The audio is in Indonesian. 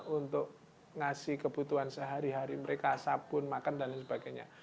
untuk ngasih kebutuhan sehari hari mereka sabun makan dan lain sebagainya